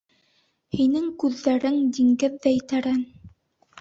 Һинең күҙҙәрең диңгеҙҙәй тәрән!